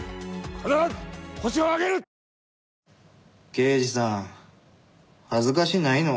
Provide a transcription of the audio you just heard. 刑事さん恥ずかしないの？